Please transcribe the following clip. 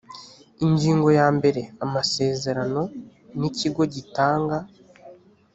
ingingo ya mbere amasezerano n ikigo gitanga